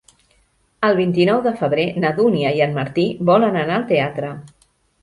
El vint-i-nou de febrer na Dúnia i en Martí volen anar al teatre.